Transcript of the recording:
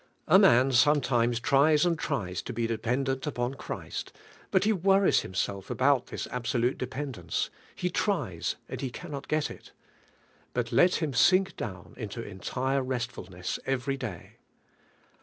A man sometimes tries and tries to be depend ent opon Christ, lint he worries himSell nboill lliis ahsolule dependence: he tries and lie cannot set it. But let him sink down into entire restfuliii'ss f\i>i y day.